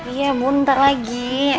iya bun ntar lagi